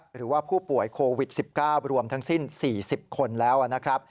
หรือว่าผู้ป่วยโควิด๑๙รวมทั้งสิ้น๔๐คนแล้วนะครับ